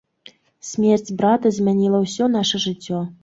Смерць брата змяніла ўсё наша жыццё.